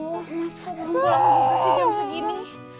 mas aku belum pulang juga si jam segini